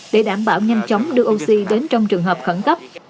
để đảm bảo nhanh chóng đưa oxy đến trong trường hợp khẩn cấp